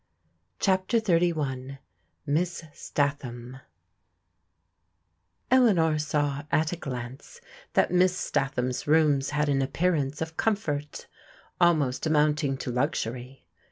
CHAPTER XXXI •• MISS STATHAM " ELEANOR saw at a glance that Miss Statham's nxms had an appearance of comfort, almost amounting to luxury.